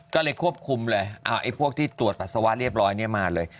ก็เลยควบคุมเลยเอาไอ้พวกที่ตรวจปัสสาวะเรียบร้อยเนี่ยมาเลย